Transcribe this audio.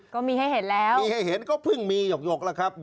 ก็มีให้เห็นแล้วมีให้เห็นก็เพิ่งมีหยกแล้วครับ